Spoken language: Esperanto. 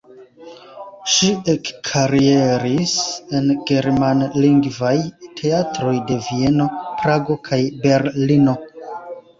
Ŝi ekkarieris en germanlingvaj teatroj de Vieno, Prago kaj Berlino.